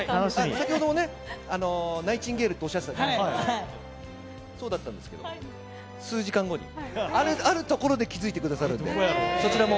先ほどもね、ナイチンゲールとおっしゃっていたじゃないですか、そうだったんですけど、数時間後に、あるところで気付いてくださるんで。